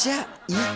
えっ？